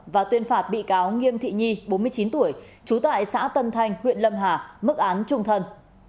và tuyên phạt bị cáo nghiêm thị nhi bốn mươi chín tuổi trú tại xã tân thanh huyện lâm hà mức án trung thân